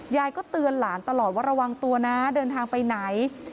ยายก็เตือนหลานตลอดว่าระวังตัวนะเดินทางไปไหน